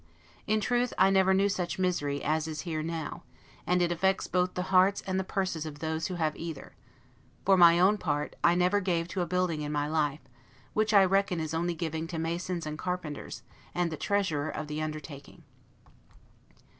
In truth, I never knew such misery as is here now; and it affects both the hearts and the purses of those who have either; for my own part, I never gave to a building in my life; which I reckon is only giving to masons and carpenters, and the treasurer of the undertaking.